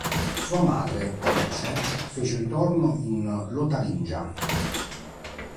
Sua madre, Alice, fece ritorno in Lotaringia.